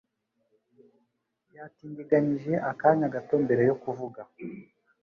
yatindiganyije akanya gato mbere yo kuvuga.